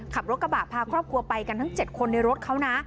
ขับรถกระบะพาครอบครัวไปกันทั้ง๗คนในรถเขานะ